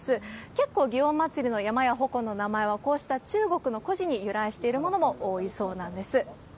結構、祇園祭の山や鉾の名前は、こうした中国の誇示に由来しているものも多いそうなんです。